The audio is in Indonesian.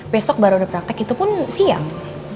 besok baru ada praktek itu pun siang